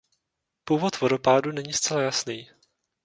Původ vodopádu není zcela jasný.